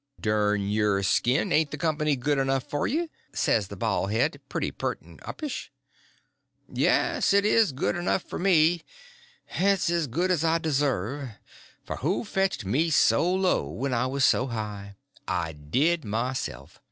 "Dern your skin, ain't the company good enough for you?" says the baldhead, pretty pert and uppish. "Yes, it is good enough for me; it's as good as I deserve; for who fetched me so low when I was so high? I did myself.